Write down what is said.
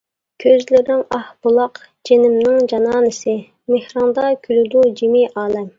كۆزلىرىڭ ئاھ بۇلاق جېنىمنىڭ جانانىسى، مېھرىڭدە كۈلىدۇ جىمى ئالەم.